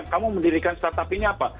kamu mendirikan start up ini apa